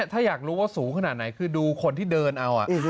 ถ้าอยากรู้ว่าสูงขนาดไหนคือดูคนที่เดินเอา